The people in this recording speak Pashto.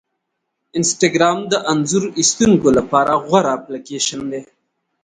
انسټاګرام د انځور ایستونکو لپاره غوره اپلیکیشن دی.